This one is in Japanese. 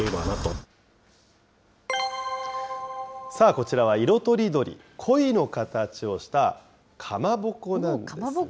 こちらは色とりどり、鯉の形をしたかまぼこなんですね。